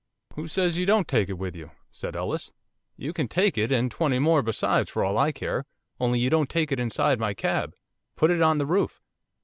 "Who says you don't take it with you?" said Ellis. "You can take it, and twenty more besides, for all I care, only you don't take it inside my cab, put it on the roof."